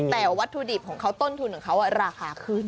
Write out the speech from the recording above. แต่วัตถุดิบของเขาต้นทุนของเขาราคาขึ้น